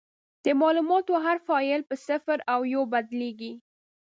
د معلوماتو هر فایل په صفر او یو بدلېږي.